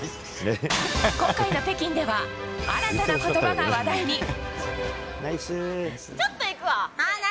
今回の北京では新たな言葉が話題に。